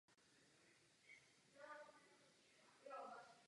Za jeho působení byl vyráběn pomocí vodního kola elektrický proud pro část obce.